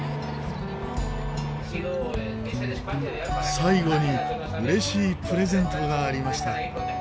最後に嬉しいプレゼントがありました。